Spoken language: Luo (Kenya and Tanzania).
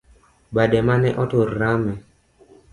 Bade mane otur rame